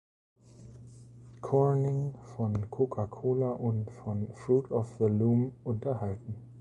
Corning, von Coca-Cola und von Fruit of the Loom unterhalten.